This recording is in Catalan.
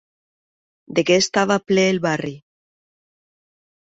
De què estava ple el barri?